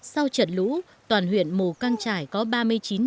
sau trợt lũ toàn huyện mù căng trải có ba mươi chín nhà bị trôi sập hoàn toàn